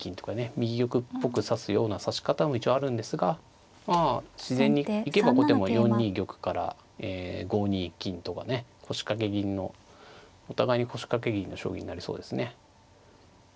右玉っぽく指すような指し方も一応あるんですがまあ自然に行けば後手も４二玉から５二金とかね腰掛け銀のお互いに腰掛け銀の将棋になりそうですね。